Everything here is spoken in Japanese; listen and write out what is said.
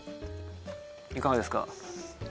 いかがですか？